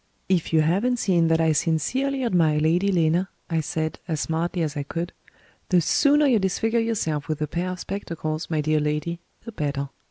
"If you hav'n't seen that I sincerely admire Lady Lena," I said, as smartly as I could, "the sooner you disfigure yourself with a pair of spectacles, my dear lady, the better.